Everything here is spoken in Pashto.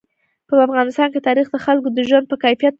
په افغانستان کې تاریخ د خلکو د ژوند په کیفیت تاثیر کوي.